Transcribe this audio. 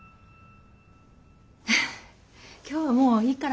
今日はもういいから。